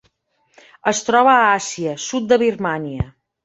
Es troba a Àsia: sud de Birmània.